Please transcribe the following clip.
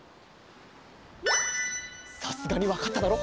さすがにわかっただろ？